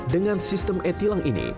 dengan sistem e tilang ini